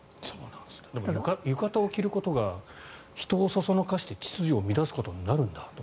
でも、浴衣を着ることが人をそそのかして秩序を乱すことになるんだと。